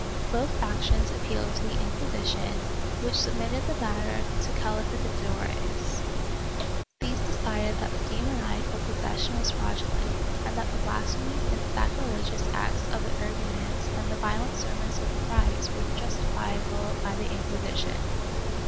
Both factions appealed to the Inquisition, which submitted the matter to calificadores. These decided that the demoniacal possession was fraudulent, and that the blasphemies and sacrilegious acts of the energumens and the violent sermons of the frailes were justiciable by the Inquisition.